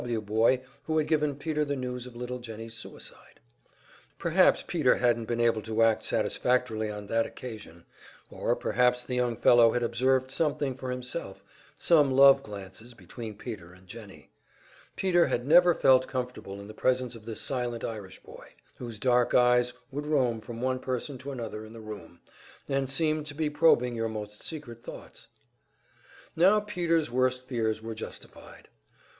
W. boy who had given Peter the news of little Jennie's suicide. Perhaps Peter hadn't been able to act satisfactorily on that occasion; or perhaps the young fellow had observed something for himself, some love glances between Peter and Jennie. Peter had never felt comfortable in the presence of this silent Irish boy, whose dark eyes would roam from one person to another in the room, and seemed to be probing your most secret thoughts. Now Peter's worst fears were justified.